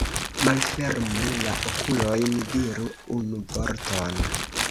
Malfermu la okulojn, diru unu vorton!